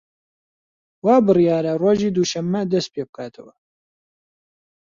وا بریارە ڕۆژی دووشەممە دەست پێ بکاتەوە